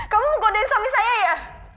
kamu mau godein suami saya ya